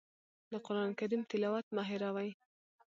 د قرآن کریم تلاوت مه هېروئ.